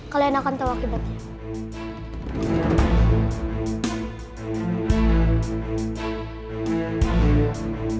kalian akan tahu akibatnya